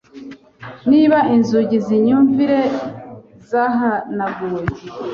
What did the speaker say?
Niba inzugi zimyumvire zahanaguwe